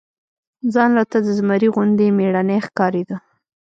ځان راته د زمري غوندي مېړنى ښکارېده.